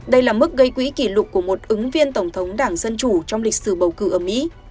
đây là mức gây quỹ kỷ lục của một ứng viên tổng thống đảng dân chủ trong lịch sử bầu cử ở mỹ